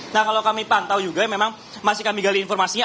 nah kalau kami pantau juga memang masih kami gali informasinya